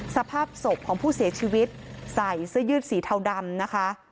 สภาพศพของผู้เสียชีวิตใส่เสื้อยืดสีเทาดำนะคะ